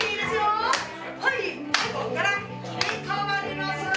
はいここから入れ替わります。